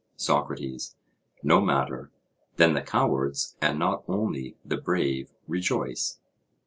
SOCRATES: No matter; then the cowards, and not only the brave, rejoice?